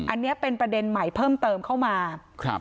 อันนี้เป็นประเด็นใหม่เพิ่มเติมเข้ามาครับ